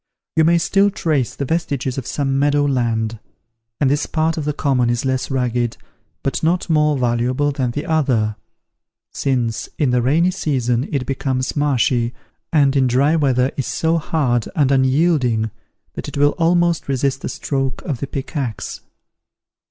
You may still trace the vestiges of some meadow land; and this part of the common is less rugged, but not more valuable than the other; since in the rainy season it becomes marshy, and in dry weather is so hard and unyielding, that it will almost resist the stroke of the pickaxe.